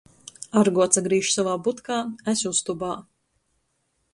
Argo atsagrīž sovā budkā, es ustobā.